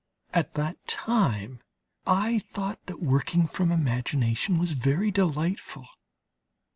At that time I thought that working from imagination was very delightful.